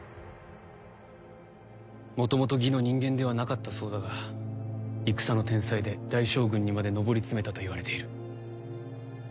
もともと魏の人間ではなかったそうだが戦の天才で大将軍にまで上り詰めたといわれている。